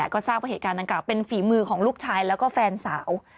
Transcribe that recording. ก็ทราบว่าเหตุการณ์ดังกล่าเป็นฝีมือของลูกชายแล้วก็แฟนสาว